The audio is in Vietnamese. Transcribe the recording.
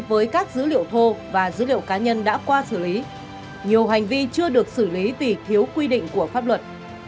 với các dữ liệu thô và dữ liệu cá nhân đã qua xử lý nhiều hành vi chưa được xử lý vì thiếu quy định của pháp luật